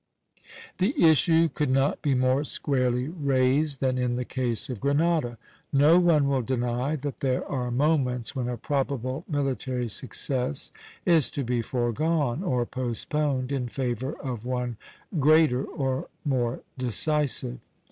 The issue could not be more squarely raised than in the case of Grenada. No one will deny that there are moments when a probable military success is to be foregone, or postponed, in favor of one greater or more decisive.